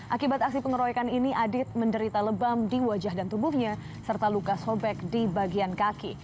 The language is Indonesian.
akibat aksi pengeroyokan ini adit menderita lebam di wajah dan tubuhnya serta luka sobek di bagian kaki